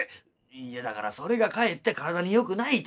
「いやだからそれがかえって体によくないてんだ。